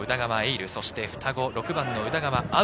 琉、そして双子６番の宇田川侑